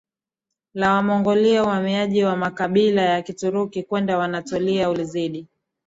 la Wamongolia uhamiaji wa makabila ya Kituruki kwenda Anatolia ulizidi